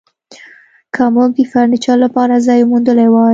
که موږ د فرنیچر لپاره ځای موندلی وای